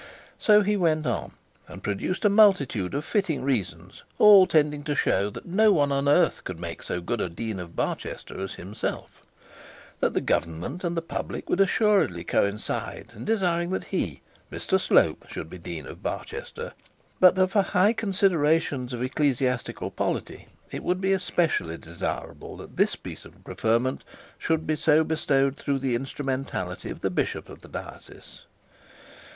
So he went on, and produced a multitude of fitting reasons all tending to show that no one on earth could make so good a dean of Barchester as himself, that the government and the public would assuredly coincide in desiring that he, Mr Slope, should be dean of Barchester; but that for high considerations of ecclesiastical polity, it would be especially desirable that this piece of preferment should be so bestowed through the instrumentality of the bishop of the diocese.